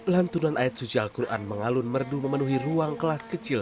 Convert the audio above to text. lantunan ayat suci al quran mengalun merdu memenuhi ruang kelas kecil